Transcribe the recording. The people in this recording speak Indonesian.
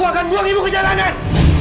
aku akan buang ibu ke jalanan